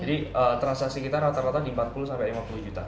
jadi transaksi kita rata rata di empat puluh sampai lima puluh juta